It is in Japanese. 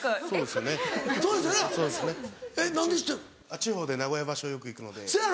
地方で名古屋場所よく行くので。